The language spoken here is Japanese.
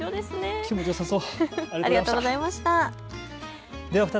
気持ちよさそう。